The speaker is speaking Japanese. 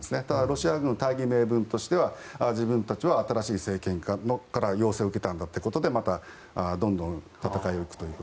ただ、ロシアの大義名分としては自分たちは新しい政権から要請を受けたんだということでまた、どんどん戦いに行くと。